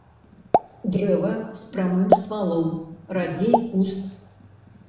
Дрэва з прамым ствалом, радзей куст.